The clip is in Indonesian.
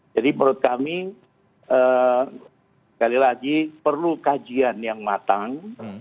menurut kami sekali lagi perlu kajian yang matang